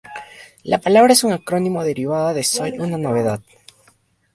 La palabra es un acrónimo derivada de "Soy Una Novedad".